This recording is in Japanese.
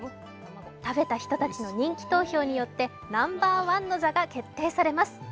食べた人たちの人気投票によってナンバーワンの座が決定されます。